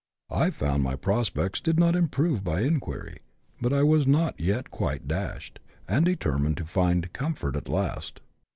" I found my prospects did not improve by inquiry, but I was not yet quite dashed, and determined to find comfort at last.